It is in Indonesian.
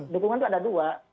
dukungan itu ada dua